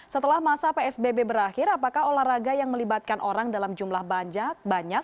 setelah masa psbb berakhir apakah olahraga yang melibatkan orang dalam jumlah banyak banyak